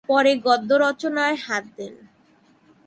পরে গদ্য রচনায় হাত দেন।